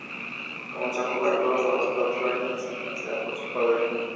Comenzó a jugar al golf a los cuatro años influenciada por su padre.